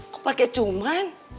kok pake cuman